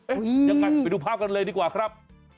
ยังไงไปดูภาพกันเลยดีกว่าครับ